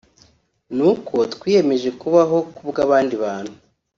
ni uko twiyemeje kubaho ku bw’abandi bantu